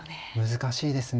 難しいですね。